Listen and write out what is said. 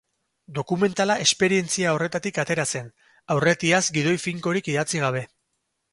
Dokumentala esperientzia horretatik atera zen, aurretiaz gidoi finkorik idatzi gabe.